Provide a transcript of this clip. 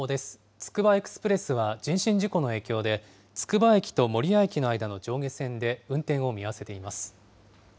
つくばエクスプレスは、人身事故の影響で、つくば駅と守谷駅の間の上下線で運転を見合わせています。